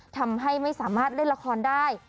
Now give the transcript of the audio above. ทำให้ไม่สามารถเล่นละครได้